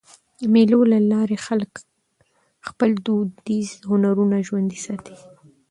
د مېلو له لاري خلک خپل دودیز هنرونه ژوندي ساتي.